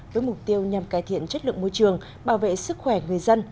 với mục tiêu nhằm cải thiện chất lượng môi trường bảo vệ sức khỏe người dân